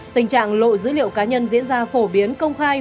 tình trạng lộ dữ liệu cá nhân diễn ra phổ biến công khai